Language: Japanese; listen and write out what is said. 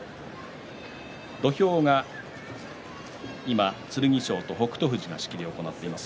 土俵が今、剣翔と北勝富士が仕切りを行っています。